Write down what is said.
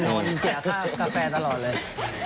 โดนเสียค่ากาแฟตลอดเลย